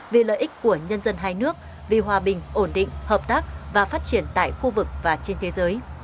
vì lợi ích của nhân dân hai nước vì hòa bình ổn định hợp tác và phát triển tại khu vực và trên thế giới